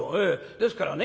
ですからね